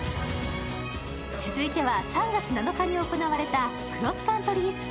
続いては３月７日に行われたクロスカントリー